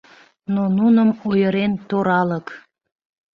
Но нуным ойырен торалык